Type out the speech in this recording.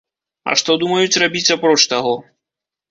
А што думаюць рабіць апроч таго?